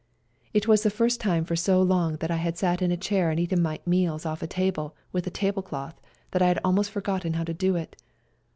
It was the first time for so long that I had sat on a chair and eaten my meals off a table with a table cloth that I had almost forgotten how to do it.